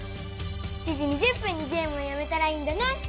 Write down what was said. ７時２０分にゲームをやめたらいいんだね！